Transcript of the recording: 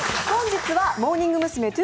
本日はモーニング娘２２